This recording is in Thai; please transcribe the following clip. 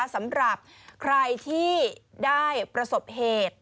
สำหรับใครที่ได้ประสบเหตุ